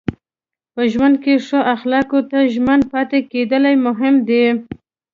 په ژوند کې ښو اخلاقو ته ژمن پاتې کېدل مهم دي.